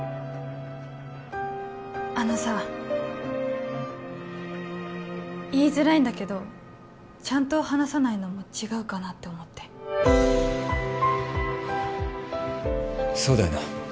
あのさ言いづらいんだけどちゃんと話さないのも違うかなって思ってそうだよな